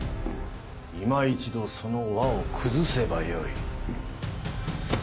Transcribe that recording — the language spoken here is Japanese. いま一度その輪を崩せばよい。